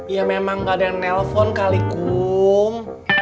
ya memang gak ada yang nelpon kali kum